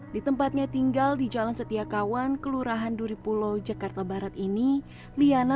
di tempatnya tinggal di jalan setiakawan kelurahan duripulo jakarta barat ini liana